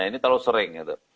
ini terlalu sering gitu